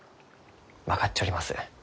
分かっちょります。